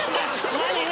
何？